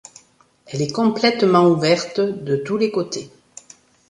Elle est complètement ouverte de tous les côtés.